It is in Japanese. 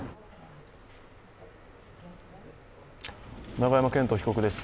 永山絢斗被告です。